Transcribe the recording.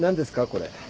これ。